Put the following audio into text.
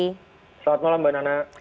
selamat malam mbak nana